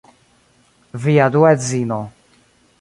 Via dua edzino